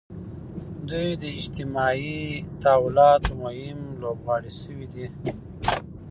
دوی د اجتماعي تحولاتو مهم لوبغاړي شوي دي.